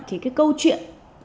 thì cái câu chuyện